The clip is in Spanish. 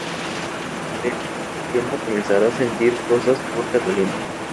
Greco al tiempo comenzará sentir cosas por Catalina.